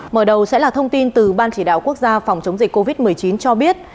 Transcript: mở đầu sẽ là thông tin từ ban chỉ đạo quốc gia phòng chống dịch covid một mươi chín cho biết